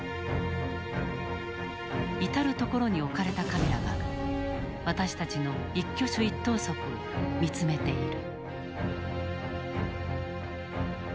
至る所に置かれたカメラが私たちの一挙手一投足を見つめている。